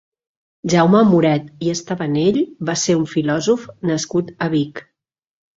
Jaume Moret i Estevanell va ser un filòsof nascut a Vic.